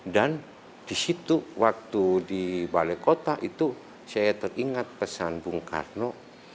dan di situ waktu di wali kota itu saya teringat pesan bung karno